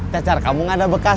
cacar kamu gak ada bekas